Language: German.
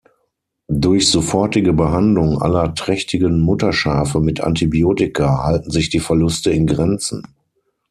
Durch sofortige Behandlung aller trächtigen Mutterschafe mit Antibiotika halten sich die Verluste in Grenzen.